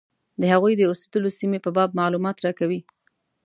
د هغوی د اوسېدلو سیمې په باب معلومات راکوي.